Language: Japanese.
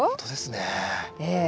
ねえ。